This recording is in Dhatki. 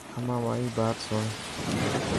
امان مائي بات بات سڻ.